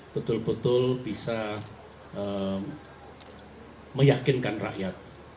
betul betul bisa meyakinkan rakyat